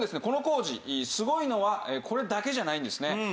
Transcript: この工事すごいのはこれだけじゃないんですね。